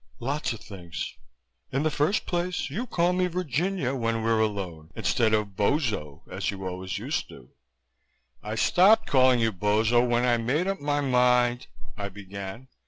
"Lots of things. In the first place, you call me 'Virginia' when we're alone instead of 'Bozo' as you always used to do." "I stopped calling you 'Bozo' when I made up my mind " I began.